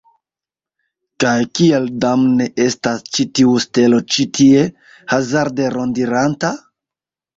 Kaj kial damne estas ĉi tiu stelo ĉi tie, hazarde rondiranta?